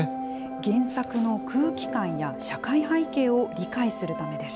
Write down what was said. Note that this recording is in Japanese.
原作の空気感や社会背景を理解するためです。